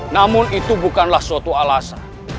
namun itu bukanlah suatu alasan